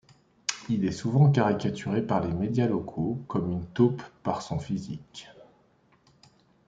Il est souvent caricaturé par les médias locaux comme une taupe par son physique.